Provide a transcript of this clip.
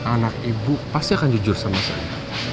anak ibu pasti akan jujur sama saya